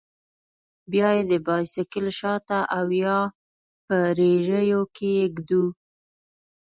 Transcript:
بيا يې د بايسېکل شاته او يا په رېړيو کښې ږدو.